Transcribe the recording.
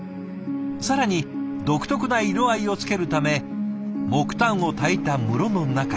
更に独特な色合いをつけるため木炭をたいた室の中へ。